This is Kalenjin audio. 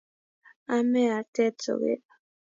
Ame artet sogek